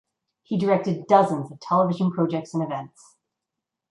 He directed dozens of television projects and events.